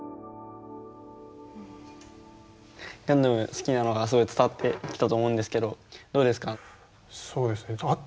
好きなのがすごい伝わってきたと思うんですけどどうですか？